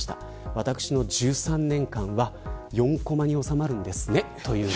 私の１３年間は４コマに収まるんですね。